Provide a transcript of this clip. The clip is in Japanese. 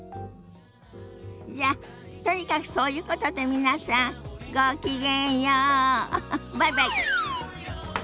じゃとにかくそういうことで皆さんごきげんようバイバイ。